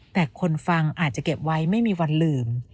แต่คนฟังอาจจะเก็บไว้ไม่มีวันลืม